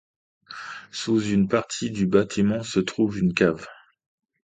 Sous une partie du bâtiment se trouve une cave.